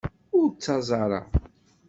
Ur ttaẓ ara.